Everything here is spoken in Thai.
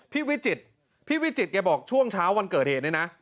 พี่วิจิตรเขาบอกช่วงเช้าวันเกิดเหตุเนี่ยนะ